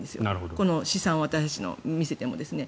この試算私たちのを見せても。